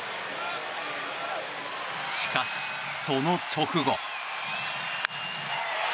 しかし、その直後。